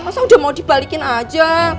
masa udah mau dibalikin aja